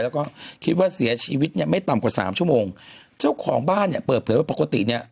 แล้วก็คิดว่าเสียชีวิตไม่ต่ำกว่า๓ชั่วโมงเจ้าของบ้านเปิดเผยว่าปกติ